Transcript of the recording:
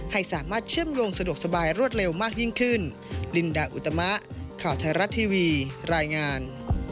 ให้สามารถเชื่อมโยงสะดวกสบายรวดเร็วมากยิ่งขึ้น